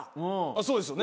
そうですよね。